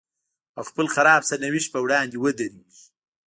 او خپل خراب سرنوشت په وړاندې ودرېږي.